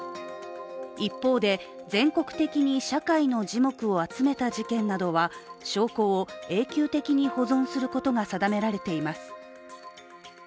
一方で、全国的に社会の耳目を集めた事件などは、証拠を永久的に保存することが定められています。